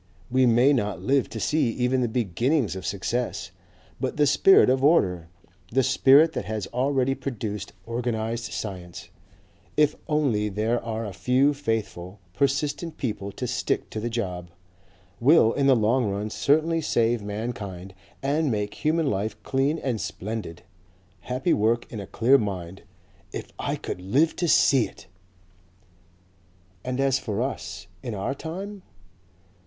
We may not live to see even the beginnings of success, but the spirit of order, the spirit that has already produced organized science, if only there are a few faithful, persistent people to stick to the job, will in the long run certainly save mankind and make human life clean and splendid, happy work in a clear mind. If I could live to see it!" "And as for us in our time?"